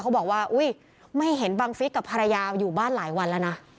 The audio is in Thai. บอกว่าอุ๊ยไม่เห็นบังฟิศกับภรรยาอยู่บ้านหลายวันแล้วนะ